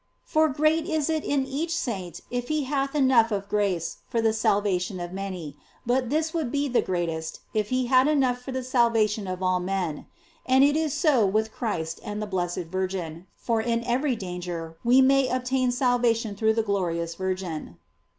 For great is it in each saint if he hath enough of grace for the salvation of many; but this would be the greatest, if he had enough for the salvation of all men; and it is so with Christ and the blessed Virgin, for in every dan ger we may obtain salvation through the glo rious Virgin.